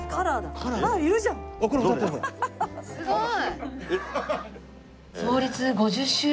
すごい！